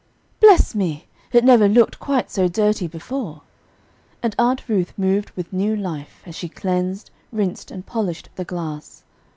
"Bless me! it never looked quite so dirty before;" and Aunt Ruth moved with new life, as she cleansed, rinsed, and polished the glass.